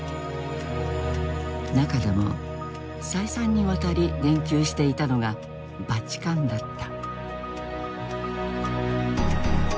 中でも再三にわたり言及していたのがバチカンだった。